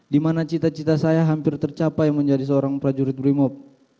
dimana cita cita saya hampir tercapai menjadi seorang prajurit brimob